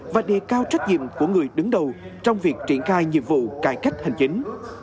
và đề cao trách nhiệm của người đứng đầu trong việc triển khai nhiệm vụ cải cách hành chính